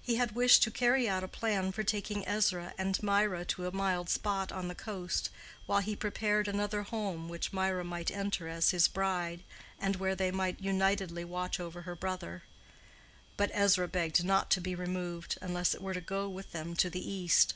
He had wished to carry out a plan for taking Ezra and Mirah to a mild spot on the coast, while he prepared another home which Mirah might enter as his bride, and where they might unitedly watch over her brother. But Ezra begged not to be removed, unless it were to go with them to the East.